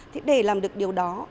thì để làm được điều đó